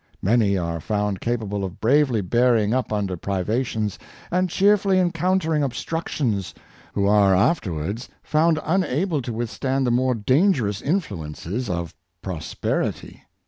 Many are found capable of bravely bearing up under privations, and cheerfully encountering obstructions, who are afterwards found unable to withstand the more dangerous influences of prosperity.